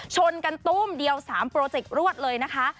ชนกันตู้มเดียว๓โปรเจครวดเลยนะคะ